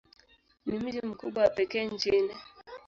Ni mji mkubwa wa pekee nchini.